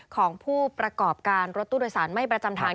ของผู้ประกอบการรถตู้โดยสารไม่ประจำทาง